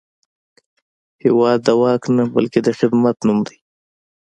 هېواد د واک نه، بلکې د خدمت نوم دی.